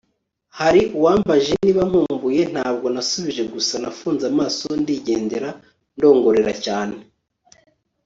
hari uwambajije niba nkumbuye ntabwo nasubije gusa nafunze amaso ndigendera ndongorera 'cyane